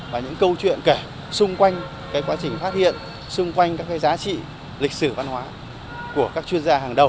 và những câu chuyện kể xung quanh quá trình phát hiện xung quanh các cái giá trị lịch sử văn hóa của các chuyên gia hàng đầu